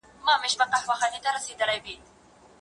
هغه وویل چي زیاته ډوډۍ ماڼۍ ته وړل سوې ده.